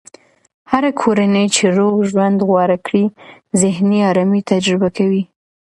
هره کورنۍ چې روغ ژوند غوره کړي، ذهني ارامي تجربه کوي.